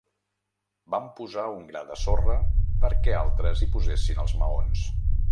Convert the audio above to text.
Vam posar un gra de sorra perquè altres hi posessin els maons.